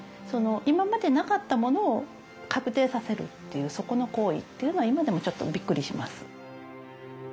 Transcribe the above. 今までなかったものを確定させるっていうそこの行為っていうのは今でもちょっとびっくりします。